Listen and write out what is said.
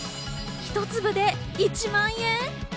１粒で１万円。